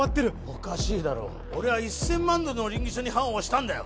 おかしいだろ俺は１千万ドルの稟議書に判を押したんだよ